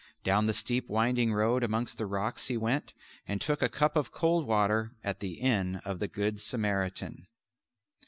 Down the steep winding road amongst the rocks he went, and took a cup of cold water at the inn of the Good Samaritan.